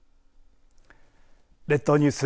列島ニュース